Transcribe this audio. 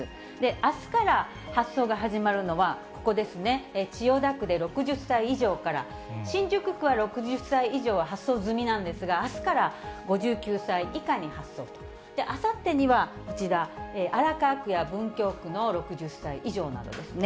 あすから発送が始まるのがここですね、千代田区で６０歳以上から、新宿区は６０歳以上は発送済みなんですが、あすから５９歳以下に発送と、あさってにはこちら、荒川区や文京区の６０歳以上などですね。